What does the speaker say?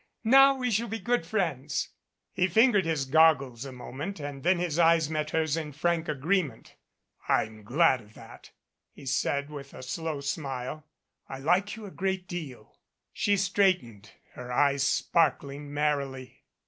Now we shall be good friends." He fingered his goggles a moment, and then his eyes met hers in frank agreement. "I'm glad of that," he said, with a slow smile. "I like you a great deal." She straightened, her eyes sparkling merrily.